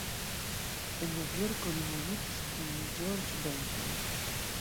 En Novjorko li muzikis kun George Benson.